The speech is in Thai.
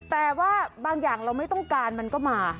แต่ว่าบางอย่างเราไม่ต้องการมันก็มา